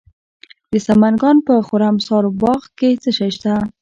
د سمنګان په خرم سارباغ کې څه شی شته؟